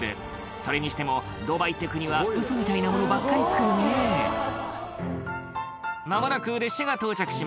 それにしてもドバイって国はウソみたいなものばっかり造るね間もなく列車が到着します